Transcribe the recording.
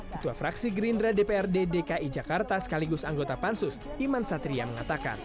ketua fraksi gerindra dprd dki jakarta sekaligus anggota pansus iman satria mengatakan